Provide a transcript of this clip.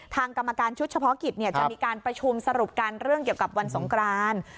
กรรมการชุดเฉพาะกิจจะมีการประชุมสรุปกันเรื่องเกี่ยวกับวันสงคราน